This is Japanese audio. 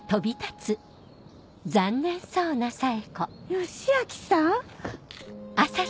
良明さん！